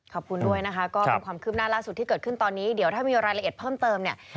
ขอบคุณด้วยนะคะก็เป็นความคืบหน้าล่าสุดที่เกิดขึ้นตอนนี้เดี๋ยวถ้ามีรายละเอียดเพิ่มเติมเนี่ย